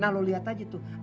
nah lo lihat aja tuh